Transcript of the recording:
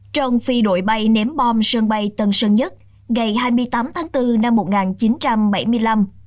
trong phi đội bay ném bom sân bay tân sơn nhất ngày hai mươi tám tháng bốn năm một nghìn chín trăm bảy mươi năm